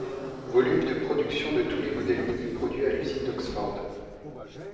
Volumes de Production de tous les modèles Mini produits à l'Usine d'Oxford.